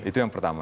itu yang pertama